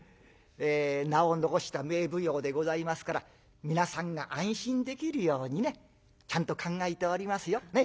ええ名を残した名奉行でございますから皆さんが安心できるようにねちゃんと考えておりますよ。